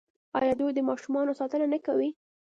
آیا دوی د ماشومانو ساتنه نه کوي؟